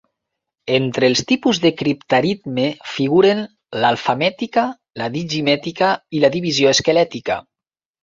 Entre els tipus de criptaritme figuren l'alfamètica, la digimètica i la divisió esquelètica.